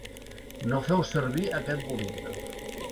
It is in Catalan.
No feu servir aquest bolígraf.